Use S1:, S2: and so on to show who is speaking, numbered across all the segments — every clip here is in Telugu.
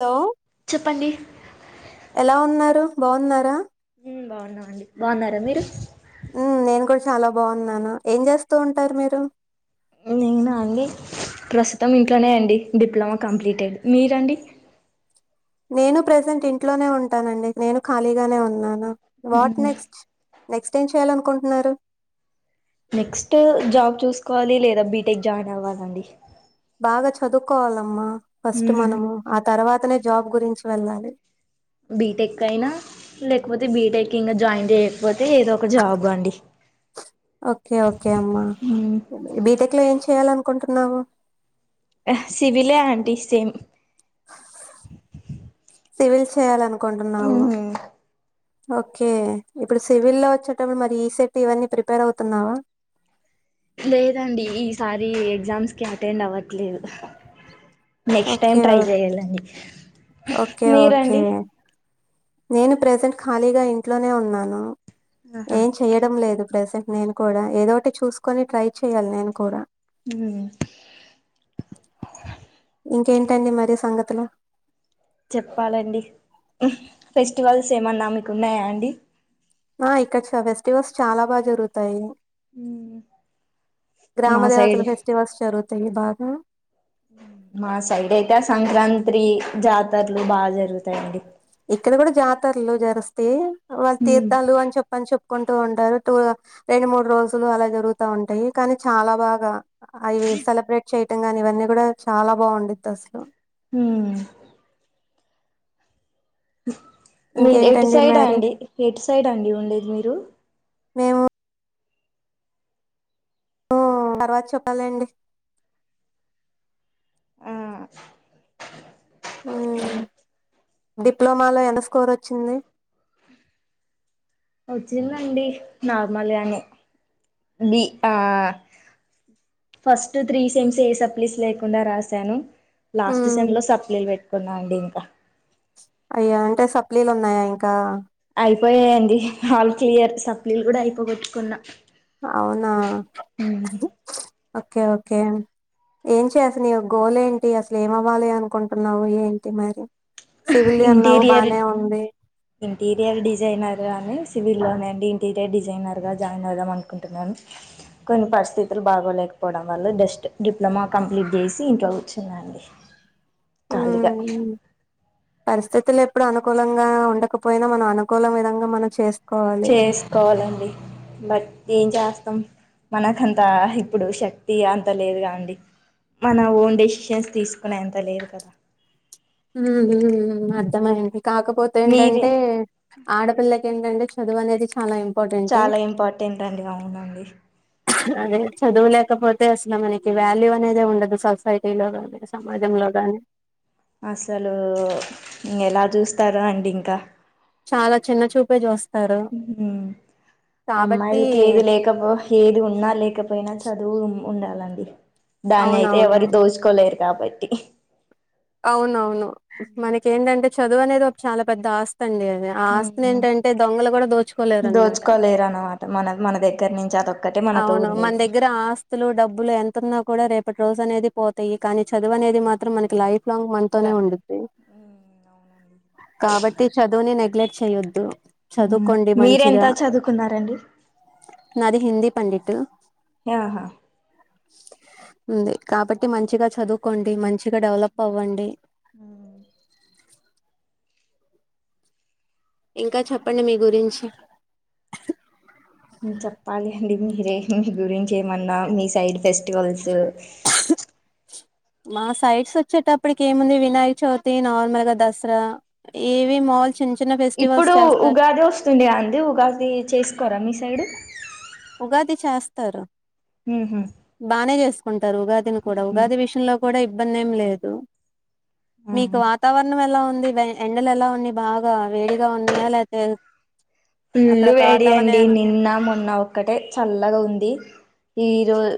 S1: హలో
S2: చెప్పండి
S1: ఎలా ఉన్నారు బాగున్నారా
S2: మ్మ్ బాగున్నాం అండి బాగున్నారా మీరు
S1: ఆ నేను కూడా చాలా బాగున్నాను ఏం చేస్తూ ఉంటారు మీరు
S2: నేనా అండి ప్రస్తుతం ఇంట్లోనే అండి డిప్లొమా కంప్లీటెడ్ మీరండి
S1: నేను ప్రజెంట్ ఇంట్లోనే ఉంటానండి నేను ఖాళీగానే ఉన్నాను వాట్
S2: మ్మ్
S1: నెక్స్ట్ నెక్స్ట్ ఏం చేయాలనుకుంటున్నారు
S2: నెక్స్ట్ జాబ్ చూసుకోవాలి లేదా బీటెక్ జాయిన్ అవ్వాలండి
S1: బాగా చదువుకోవాలమ్మా ఫస్ట్
S2: మ్మ్
S1: మనము ఆ తర్వాతనే జాబ్ గురించి వెళ్ళాలి
S2: బీటెక్ అయినా లేకపోతే బీటెక్ ఇంకా జాయిన్ చేయకపోతే ఏదో ఒక జాబ్ అండి
S1: ఓకే ఓకే అమ్మ
S2: మ్మ్
S1: బీటెక్ లో ఏం చేయ్యాలనుకుంటున్నావు
S2: సివిలే ఆంటీ సేమ్
S1: సివిల్ చేయాలనుకుంటున్నావు
S2: మ్మ్
S1: ఓకే ఇప్పుడు సివిల్ లో వచ్చేటండి మరి ఈ సెట్ ఇవన్నీ ప్రిపేర్ అవుతున్నావా
S2: లేదండి ఈసారి ఎగ్జామ్స్ కి అటెండ్ అవ్వట్లేదు నెక్స్ట్
S1: ఓకే
S2: టైమ్ ట్రై
S1: ఓ-
S2: చెయ్యాలని
S1: ఓకే ఓకే రా నేను ప్రెజెంట్ ఖాళీగా ఇంట్లోనే ఉన్నాను
S2: ఆహా
S1: ఏం చెయ్యడం లేదు ప్రజెంట్ నేను కూడా ఏదోటి చూసుకొని ట్రై చెయాలి నేను కూడా
S2: మ్మ్
S1: ఇంకేంటండి మరి సంగతులు
S2: చెప్పాలండి ఫెస్టివల్స్ ఏమన్నా మీకు ఉన్నాయా అండి
S1: ఆ ఇక్కడ చ ఫెస్టివల్స్ చాలా బాగా జరుగుతాయి ఏమో గ్రామ
S2: మా సైడ్
S1: దేవతల ఫెస్టివల్స్ జరుగుతాయి బాగా
S2: మా సైడ్ అయితే ఆ సంక్రాంత్రి జాతరలు బాగా జరుగుతాయండి
S1: ఇక్కడ కూడా జాతరలు జరుస్తాయ
S2: ఉమ్
S1: కుంటూ ఉంటారు టూ రెండు మూడు రోజులు అలా జరుగుతా ఉంటాయి కానీ చాలా బాగా అవి సెలబ్రేట్ చేయటం గాని ఇవన్నీ కూడా చాలా బావుండద్ది అసలు
S2: మ్మ్ మీరు ఎటు
S1: ఇంకేంటండి
S2: సైడ్
S1: మరి?
S2: అండి ఎటు సైడ్ అండి ఉండేది మీరు
S1: మేము తర్వాత చొప్పలండి
S2: ఆ
S1: మ్మ్ డిప్లొమాలో ఎంత స్కోర్ వచ్చింది
S2: వచ్చిందండి నార్మల్ గానే లీ ఆ ఫస్ట్ త్రీ సైమ్స్ ఏ సప్లిస్ లేకుండా రాసాను లాస్ట్
S1: ఉమ్
S2: సెమ్ లో సప్లీలు పెట్టుకున్నా అండి ఇంకా
S1: అయ్యా అంటే సప్లీలు ఉన్నాయా ఇంకా
S2: అయిపోయాయండి ఆల్ క్లియర్ సప్లీలు కూడా అయిపోగొట్టుకున్నా
S1: అవునా
S2: ఉమ్
S1: ఓకే ఓకే ఏంటి అసలు నీ గోల్ంటి అసలు ఏమి అవ్వాలి అనుకుంటున్నావు ఏంటి మరి సివిల్ అన్నావు
S2: ఇంటీరియర్
S1: బానే ఉంది
S2: ఇంటీరియర్ డిజైనర్ గాని సివిల్లోనేండి ఇంటీరియర్ డిజైనర్గా జాయిన్ అవదాం అనుకుంటున్నాను కొన్ని పరిస్థితులు బాగోలేక డిప్లొమా కంప్లీట్ చేసి ఇంట్లో కూర్చున్న అండి
S1: [inaudible]
S2: కాలిపా
S1: ఉమ్ పరిస్థితులు ఎప్పుడు అనుకూలంగా ఉండకపోయినా మన అనుకూల విధంగా మనం చేస్త
S2: చేసుకోవాలండి బట్ ఏం చేస్త మనకంత ఇప్పుడు శక్తి అంత లేదుగా అండి మన ఓన్ డెసిషన్స్ తీసుకునే ఎంత లేదు కదా
S1: అర్థమైంది కాకపోతే
S2: మీరే
S1: ఏంటంటే ఆడపిల్లకి ఏంటే చదువు అనేది చాలా ఇం
S2: చాలా ఇంపార్టెంట్ అండి అవునండి
S1: అదే చదువులేకపోతే అసలు మనకి వాల్యూ అనేది ఉండదు సొసైటీ లో
S2: అసలు ఇ ఎలా చూస్తారో అండి ఇంకా
S1: చాలా చిన్న చూపే చూస్త కాబట్టి
S2: అమ్మాయిలకి ఏది లేకపో ఏది ఉన్నా లే కపోయినా చదువు ఉండాలండి దాన్ని అయితే
S1: అవునవును
S2: ఎవరు దోచుకోలేరు కాబట్టి
S1: అవునవును మనక ఏంటంటే చదువు అనేది ఒక చాలా పెద్ద ఆస్తి వండి అది ఆస్తుని
S2: ఉమ్
S1: ఏంటంటే దొంగలు కూడా దోచుకోలేరు అనమాట
S2: దోచుకోలేరు అన్నమాట మన మన దగ్గర నుంచి అదొక్కటే మనతో
S1: అవును మన
S2: ఉండేది
S1: దగ్గర ఆస్తులు డబ్బులు ఎంతున్నా కూడా రేపటి రోజు అనేది పోతాయి కానీ చదువు అనేది మాత్రం మనకి లైఫ్ ప్లాంగ్ మనతోనే ఉండిద్ది కాబట్టి చదువుని నెగ్లెక్ట్ చేయొద్దు చదువుకోండి
S2: మీరెంత
S1: మంచిగా
S2: చదువుకున్నారండి
S1: నాది హిందీ పండిట్
S2: ఆహా
S1: ఉంది కాబట్టి మంచిగా చదువుకోండి మంచిగా డెవలప్ అవ్వండి
S2: ఆ
S1: ఇంకా చెప్పండి మీ గురించి
S2: చెప్పాలి అండి మీరే మీ గురించి ఏమన్నా మీ సైడ్ బెస్ట్ ఫెస్టివల్స్
S1: మా సైట్స్ వచ్చేటప్పటికి ఏముంది వినాయక చవితి నార్మల్ గా దసరా ఏవి మా
S2: ఇప్పుడు ఉగాది వస్తుంది అంది ఉగాది చేసుకోరా మీ సైడ్
S1: ఉగాది చేస్తారు
S2: ఉహు
S1: బానే చేస్త రు ఉగాదిని కూడా ఉగాది విషయంలో కూడా ఇబ్బంది ఏం లేదు మీకు
S2: ఉ
S1: వాతావరణం ఎలా ఉంది ఎండలు ఎలా ఉన్నాయి బాగా వేడిగా ఉన్నాయా లేపోతే
S2: ఫుల్లు వేడి అండి నిన్న మొన్న ఒక్కటే చల్లగా ఉంది ఈరోజ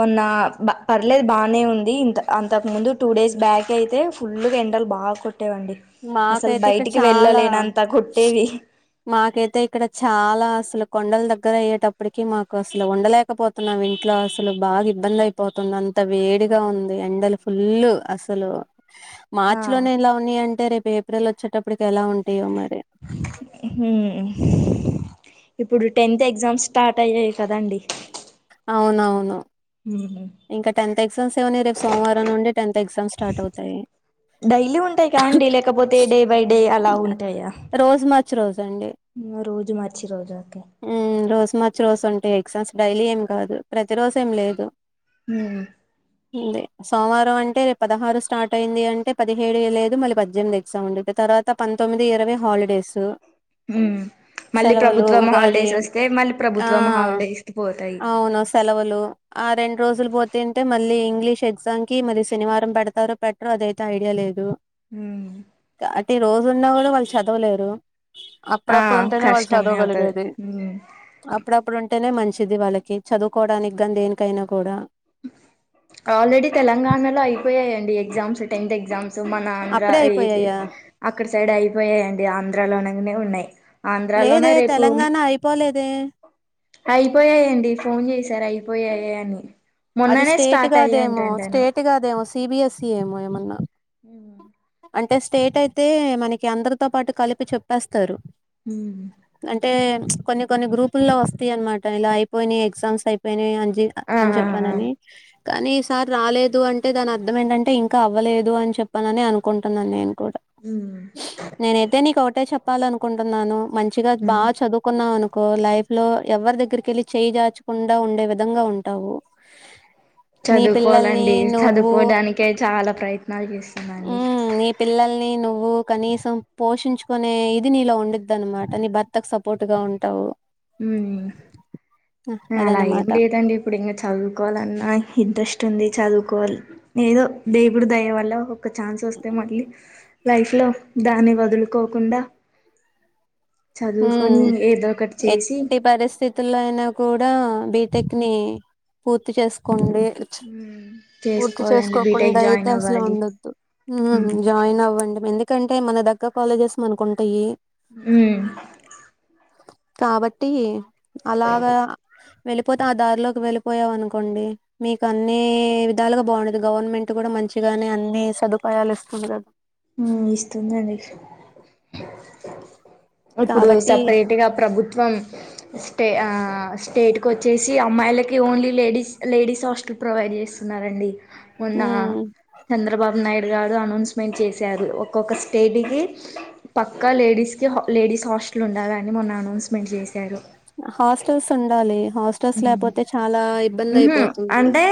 S2: వన్ పర్లేదు బాగానే ఉంది ఇంత అంతకు ముందు టూ డేస్ బ్యాక్ అయితే ఫుల్గా ఎండలు బాగా కొట్టేవండి అసలు
S1: మాకైతే ఇక్కడ
S2: బయటికి
S1: చాలా
S2: వెళ్ళలేన అంత కొట్టేవి
S1: మాకైతే ఇక్కడ చాలా అసలు కొండలు దగ్గర అయ్యేటప్పటికి మాకు అసలు ఉండలేకపోతున్నాము ఇంట్లో అసలు బాగా ఇబ్బంది అయిపోతుంది అంత వేడిగా ఉంది ఎండలు ఫుల్ అసలు
S2: ఆ
S1: మార్చి లోనే ఇలా ఉన్నాయి అంటే రేపు ఏప్రిల్ వచ్చేటప్పుడు అప్పుడికి ఎలా ఉంటాయో మరి
S2: ఇప్పుడు టెన్త్ ఎగ్జామ్స్ స్టార్ట్ అయ్యాయి కదండి
S1: అవునవును ఇంకా టెన్త్ ఎగ్జామ్స్ ఏ ఉన్నాయి రేపు సోమవారం నుండి టెన్త్ ఎగ్జామ్స్ స్టార్ట్ అవుతాయి
S2: డైలీ ఉంటాయి క అండి లేకపోతే డే బై డే అలా ఉంటాయా
S1: రోజు మార్చి రోజు
S2: రోజు మార్చి రోజు
S1: మార్చి రోజు ఉంటాయి ఎక్సామ్స్ డైలీ ఏం కాదు ప్రతి రోజు ఏం లేదు
S2: ఆ
S1: ఉంది సోమవారం అంటేే పదహారు స్టార్ట్ అయింది అంటే పదిహేడు లేదు మళ్ళీ పద్దెనిమిది ఎగ్జామ్ ఉండింది తర్వాత తొమ్మిది ఇరవై హాలిడేస్
S2: ఉమ్ మళ్ళీ
S1: సెలవులు
S2: ప్రభుత్వం
S1: ఉగాది
S2: హాలిడేస్ వస్తే మళ్ళీ
S1: ఆ
S2: ప్రభుత్వం హాలిడేస్కి పోతాయి
S1: అవును సెలవులు ఆ రెండు రోజులు పోతేంటే మళ్ళీ ఇంగ్లీష్ ఎగ్జామ్కిి మళ్లీ శనివారం పెడతారో పెట్టరో అదైతే ఐడియా లేదు
S2: ఉమ్
S1: రోజున్నా కూడా వాళ్ళు చదవలేరు
S2: ఆ
S1: అప్పుడప్పుడు ఉంటేనే వాళ్ళు
S2: కష్టమే అవుతది
S1: చదవగలిగేది
S2: ఉమ్
S1: అప్పుడప్పుడు ఉంటేనే మంచ్ చిది వాళ్ళకి చదువుకోవడానికి గానీ దేనికైనా కూడా
S2: ఆల్రెడీ తెలంగాణలో అయిపోయాయండి ఎగ్జామ్స్ టెన్త్ ఎగ్జామ్ సో మన ఆంధ్ర
S1: అప్పుడే
S2: ఇ
S1: అయిపోయాయా
S2: అక్కడ సైడ్ అయిపోయాయండి ఆంధ్ర లోనంగనే ఉన్నాయి
S1: లేదే
S2: ఆంధ్రాలోనే రేపు
S1: తెలంగాణ అయిపోలేదే
S2: అయిపోయాయండి ఫోన్ చేసారు అయిపోయాయి అని
S1: అది
S2: మొన్ననే
S1: స్టేట్
S2: స్టార్ట్
S1: గాదేమో
S2: అయ్యాయంటంటను
S1: స్టేట్ గాదేమో సిబిఎస్ఈ ఏమో ఏమన్నా
S2: ఉ
S1: అంటే స్టేట్ అయితే మనకి అందరితో పాటు కలిపి చెప్పేస్తారు
S2: ఉమ్
S1: టే కొన్ని కొన్ని గ్రూపుల్లో వస్తాయి అనమాట ఇలా అయిపోయి ఎగ్జామ్స్ అయిపోయినాయ్ అంజి
S2: ఆ
S1: అని
S2: ఆ
S1: చెప్
S2: ఆ
S1: పననే కానీఈ సార్ రాలేదు అంటే దాని అర్థం ఏంటంటే ఇంకా అవ్వలేదు అని చెప్పానని అనుకుంటున్నాను నేను కూడా
S2: ఉమ్
S1: నేనైతే నీకు ఒకటే చెప్పాల అనుకుంటున్నాను మంచిగా
S2: ఉమ్
S1: బాగా చదువుకున్నావను కో లైఫ్ లో ఎవరి దగ్గరికి వెళ్ళి చేయి జాచకుండా ఉండే విధంగా ఉంటావు నీ పిల్లల్ని
S2: చదువుకోవాలండి
S1: నువ్వు
S2: చదువుకోడానికే చాలా ప్రయత్ త్నాలు చెస్సున్న అండి
S1: ఓ కనీసం పోషించుకునే ఇది నీలో ఉండుద్ది అనమాట నీ భర్తకు సపోర్ట్ గా ఉంటావు
S2: ఉమ్
S1: ఆహ్,
S2: అలా ఏం
S1: అదనమాట.
S2: లేదండి ఇప్పుడు ఇంకా చదువుకోవాలన్నా ఇంట్రెస్ట్ ఉంది చదువుకోవాల్ ఏదో దేవుడు దయ వల్ల ఒక ఛాన్స్ వస్తే మళ్ళీ లైఫ్ లో దాన్ని వదులుకోకుండా చదువుకొని
S1: హ్మ్.
S2: ఏదో ఒకటి చేసి
S1: ఎట్టి పరిస్థితుల్లో అయినా కూడా బీటెక్ ని పూర్తి చేసుకో కొండి
S2: ఉమ్
S1: పూర్తి
S2: చేసుకోవాలండి
S1: చేసుకోకుండా
S2: బీటెక్
S1: అయితే
S2: జాయిన్
S1: అసలు
S2: అవ్వాలి
S1: ఉండొద్దు ఉమ్ జాయిన్ అవ్వ మండి ఎందుకంటే మన దగ్గ కాలేజెస్ మనకుంటాయి
S2: ఉమ్
S1: కాబట్టి అలాగా వెళ్ళిపోత ఆ దారిలోకి వెళ్ళిపోయావ అనుకోండి మీకన్నీ విద్ దాలుగా బాగుండది గవర్నమెంట్ కూడా మంచిగానే అన్ని సదుపాయాలు ఇస్తుంది కదా
S2: ఉమ్ ఇస్తుందండి ఇప్పుడు
S1: కాబట్టి
S2: సపరేట్ గా ప్రభుత్వం ట్టే ఆ స్టేట్కి వచ్చేసి అమ్మాయిలకి only ladies ladies hostel provide చేస్తున్నారండి మోన్న
S1: ఉమ్
S2: చంద్రబాబు నాయుడు గారు అనౌన్స్మెంట్ చేస్ చ్చారు ఒక్కొక్క స్టేట్కి పక్క లేడీస్ కి లేడీస్ హాస్టల్ ఉండాలని మోన్నాను అౌన్స్మెంట్ చేశారు
S1: హాస్టల్స్ ఉండాలి హాస్టల్స్
S2: ఉమ్
S1: లేకపోతే చాలా ఇబ్బంది
S2: ఉంహు
S1: అయిపోతుంది
S2: అంటే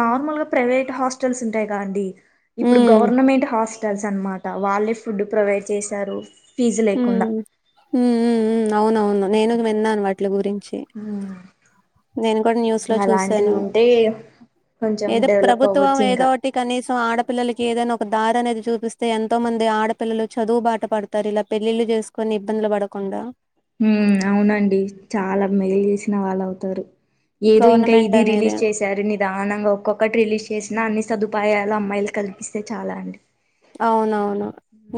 S2: నార్మల్ గా ప్రైవేట్ హాస్టల్స్ ఉంటాయి కద అండి ఇప్పుడు
S1: ఉమ్
S2: గవర్నమెంట్ హాస్ టల్స్ అనమాట వాళ్ళే ఫుడ్ ప్రొవైడ్ చేశారు ఫీజు
S1: ఉమ్
S2: లేకుండా
S1: ఉమ్ ఉమ్ ఉమ్ అవునవును నేను వి న్నాను వాట్ల గురిన్
S2: ఆ
S1: కొన్ న్యూస్ లో చూసాను
S2: కొంచెం
S1: ఏదో
S2: డెవలప్
S1: ప్రభుత్వం
S2: అవ్వచ్చు ఇంకా
S1: ఏదోటి కనీసం ఆడ పిల్లలకి ఏదైనా ఒక దారి అనేది చూపిస్తే ఎంతో మంది ఆడపిల్లలు చదువు బాట పడతారు ఇలా పెళ్ళిళ్లు చేసుకొని ఇబ్బందులు పడకుండా
S2: ఉమ్ అవునండి చాలా మేలు చేసిన వాళ్ అవుతారు ఏదో ఇంకా
S1: గవర్నమెంట్
S2: ఇది
S1: అనేది
S2: రిలీజ్ చేసారు నిదానంగా ఒక్కొక్కటి రిలీజ్ చేసినా అన్ని సదువు ఉపాయాలు అమ్మాయిలు కల్పిస్తే చాలా అండి
S1: అవునవును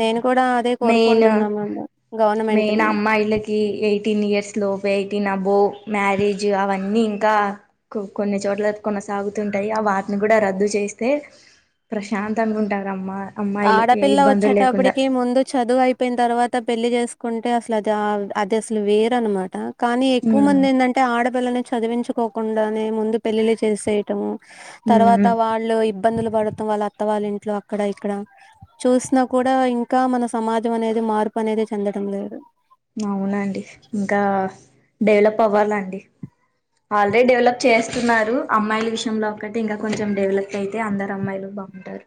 S1: నేను కూడా అదే
S2: మెయిన్
S1: కోరుకుంటున్నామండి గవర్నమెంట్
S2: మెయిన్
S1: ని
S2: అమ్మాయిలకి ఎయిటీన్ ఇయర్స్ లోపే అయి తినా బు మ్యారేజ్ అవన్నీ ఇంకా కో కొన్ని చోట్ల కొనసాగుతుంటాయి ఆ వాత కూడా రద్దు చేస్తే ప్రశాంత గా ఉంటారు అమ్మ
S1: ఆడపిల్ల వచ్చేటప్పటికి ముందు చదువు అయిపోయిన తర్వాత పెళ్లి చేసుకుంటే అసలు అది అది అసలు వేరు అన్నమాట కానీ ఎక్కువ
S2: ఉమ్
S1: మంది ఏంటి అంటే ఆడపిల్లని చదివించుకోకుండానే ముందు పెళ్ళిళ్లి చేసెయ్యటము తర్వాత
S2: ఉమ్
S1: వాళ్ళు ఇబ్బందులు పడుతాం వాళ్ళ అత్త వాళ్ళ ఇంట్లో అక్కడ ఇక్కడ చూసినా కూడా ఇంకా మన సమాజం అనేది మార్పు అనేది చెందడం లేదు
S2: అవునండి ఇంకా డెవలప్ అవ్వాలి అండి ఆల్రెడీ డెవలప్ చేస్తున్నారు అమ్మాయిల విషయంలో ఒకటి ఇంకా కొంచెం డెవలప్ అయితే అందరు అమ్మాయిలు బాగుంటారు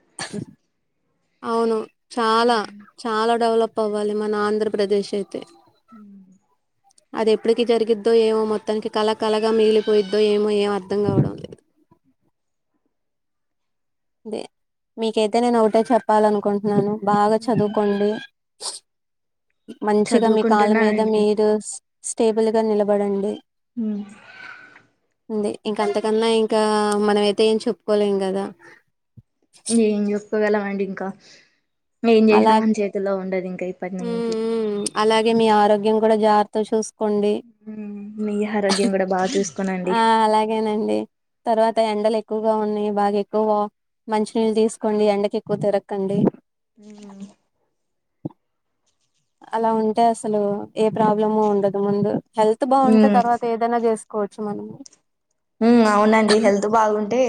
S1: అవును చాలా చాలా డెవలప్ అవ్వాలి మన ఆంధ్రప్రదేశ్ అయితే
S2: [inaudible]
S1: అది ఎప్పటికి జరిగిద్దో ఏమో మొత్తానికి కల కలగా మిగిలిపోయిద్దో ఏమో ఎం అర్థం కావడం లేదు అదే మీకైతే నేను ఒకటో చెప్పాల అనుకుంటున్నాను బాగా చదువుకోండి మంచిగా మీ కాళ్ళ
S2: చదువుకుంటున్నా
S1: మీద
S2: అండి
S1: మీరు స్టేబుల్ గా నిలబడండి
S2: ఉహు
S1: వుంది ఇంకా అంతకన్నా ఇంకా మనం అయితే ఏం చెప్పుకోలేం కదా
S2: ఏం చెప్పుకోగలం అండి ఇంకా ఏం చేసినా
S1: అలా
S2: మన చేతుల్లో ఉండదు ఇంకా ఇప్పటి
S1: హు హు
S2: నుంచి
S1: హు అలాగే మీ ఆరోగ్యం కూడా జాగ్రత్త చూసు కోండి
S2: మీ ఆరోగ్యం కూడా బాగా చూసుకోనండి
S1: ఆ అలాగేనండి తర్వాత ఎండల ఎ ఎక్కువగా ఉన్నాయి బాగా ఎక్కువ మంచినీళ్ళు తీసుకోండి ఎండకి ఎక్కువ తిరకండి
S2: ఉ
S1: అలా ఉంటే అసలు ఏ ప్రాబ్లమ్ ఉండదు ముందు హెల్త్ బాగుంటే
S2: ఉమ్
S1: తర్వాత ఏదైనా చేసు కోచ్చు మనము
S2: ఉ అవునండి హెల్త్ బాగుంటే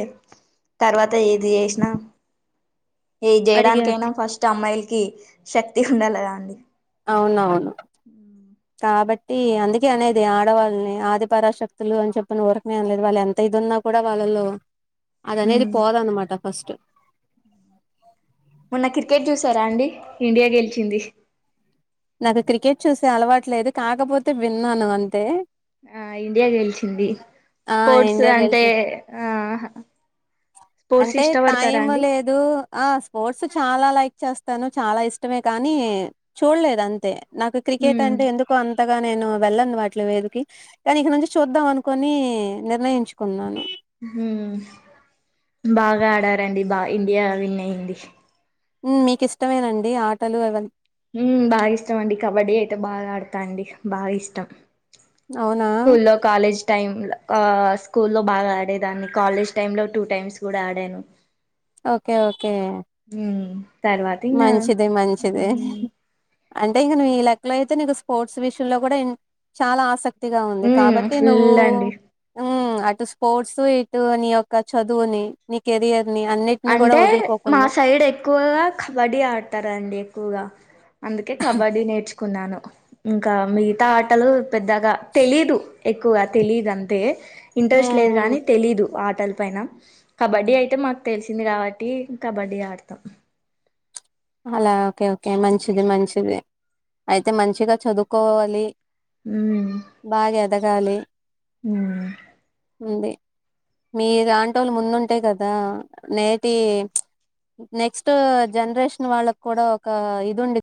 S2: తర్వాత ఏది చేసినా ఏది
S1: అడిగే
S2: చేయడానికైనా ఫస్ట్ అమ్మాయిలకి శక్తి ఉండాలి కదా అండి
S1: అవునవును కాబట్టి అందుకే అనేది ఆడవాళ్ళని ఆదిపరాశక్తులు అని చెప్పిన ఊరకనే అనలేదు వాళ్ళు ఎంత ఇది ఉన్నా కూడా వాళ్ళలో అది అనేది
S2: ఉమ్
S1: పోదన్నమాట ఫస్ట్
S2: మొన్న క్రికెట్ చూసారా అండి ఇండియా గెలిచింది
S1: నాకు క్రికెట్ చూసే అలవాటు లేదు కాకపోతే విన్నాను అంతే
S2: ఆ ఇండియా గెలిచింది
S1: ఆ
S2: స్పోర్ట్స్
S1: ఇండియా
S2: అంటే
S1: గెలిసి
S2: ఆ స్పోర్ట్స్
S1: అంటే
S2: ఇష్టపడతారా
S1: టైం
S2: అండి
S1: లేదు ఆ స్పోర్ట్స్ చాలా లా చేస్తాను చాలా ఇష్టమే కానీ చూడలేదు అంతే నాకు క్రికెట్
S2: ఉమ్
S1: అంటే ఎందుకో అంతగా గా నేను వెళ్ళను వాటి వేదికి కానీ ఇక నుంచి చూద్దాం అనుకుని నిర్ణయించుకున్నాను
S2: హు బాగా ఆడారండి బా ఇండియా విన్ అయ్యింది
S1: హు మీకు ఇష్టమేనండి ఆటలు అవన్నీ
S2: హు బాగా ఇష్టం అండి కబడ్డీ అయితే బాగా ఆడుతా అండి బాగా ఇష్టం
S1: అవునా
S2: స్కూల్లో లో కాలేజ్ టైం లా స్కూల్ లో బాగా ఆడేదాన్ని కాలేజ్ టైం లో టూ టైమ్స్ కూడా ఆడను
S1: ఓకే ఓకే
S2: తర్వాత ఇంగా
S1: మంచిది మంచిది
S2: ఉమ్
S1: అంటే ఇగ నువు ఈ లెక్కలో అయితే నీకు స్పోర్ట్స్ విషయంలో కూడా ఇన్ చాలా ఆసక్తి ఉత్తిగా ఉంది
S2: ఉమ్
S1: కాబట్టి నువ్వు
S2: ఫుల్ అండి
S1: ఉమ్ అటు స్పోర్ట్స్ ఇటు నీ యొక్క చదువుని నీ కెరియర్
S2: అంటే మా సైడ్ ఎక్కువగా కబడ్డీ ఆడతారండి ఎక్కువగా అందుకే కబడ్డీ నేర్చుకున్నాను ఇంకా మిగతా ఆటలు పెద్దగా తెలీదు ఎక్కువ తెలీదు అంతే ఇంట్రెస్ట్ లేదు
S1: హ్మ్.
S2: కానీ తెలీదు ఆటలు పైన కబడ్డీ అయితే మాకు తెలిసింది కాబట్టి కబడ్డీ ఆడతాం
S1: అలా ఓకే ఓకే మంచిది మంచిది అయితే మంచిగా చదువుకోవాలి
S2: ఉమ్
S1: బా ఎదగాలి
S2: ఉమ్
S1: ఉంది మీ దాంటోళ్ళు ముందుంటాయి కదా నేటి నెక్స్ట్ జనరేషన్ వాళ్ళకి కూడా ఒక ఇది ఉండి